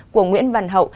của nguyễn văn hậu